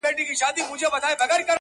• هغه خو زما کره په شپه راغلې نه ده.